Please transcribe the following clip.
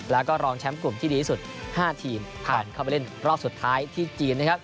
แล้วก็รองแชมป์กลุ่มที่ดีที่สุด๕ทีมผ่านเข้าไปเล่นรอบสุดท้ายที่จีนนะครับ